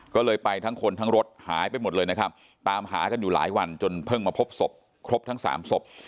ก็เลยไปทั้งคนทั้งรถหายไปหมดเลยนะครับตามหากันอยู่หลายวันจนเพิ่งมาพบศพครบทั้งสามศพ